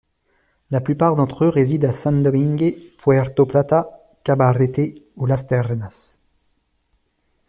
La plupart d'entre eux résident à Saint-Domingue, Puerto Plata, Cabarete ou Las Terrenas.